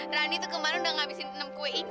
rani tuh kemaru udah gak abisin tenam kue ini